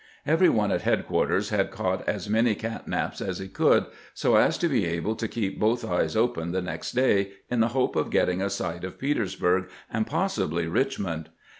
Every one at headquarters had caught as many cat naps as he could, so as to be able to keep both eyes open the next day, in the hope of getting a sight of Peters bui'g, and possibly Richmond.